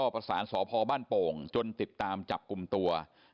ประสานสพบ้านโป่งจนติดตามจับกลุ่มตัว